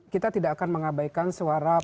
kita tidak akan mengabaikan suara